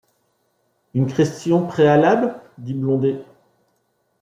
Une question préalable ? dit Blondet